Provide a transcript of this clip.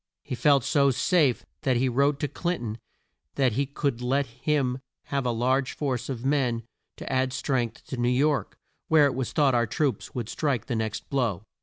He felt so safe that he wrote to Clin ton that he could let him have a large force of men to add strength to New York, where it was thought our troops would strike the next blow.